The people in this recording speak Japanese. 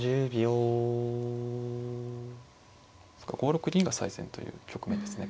５六銀が最善という局面ですね